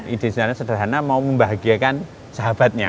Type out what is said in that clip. idealnya sederhana mau membahagiakan sahabatnya